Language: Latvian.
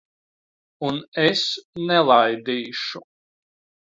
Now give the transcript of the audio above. Un es nelaidīšu.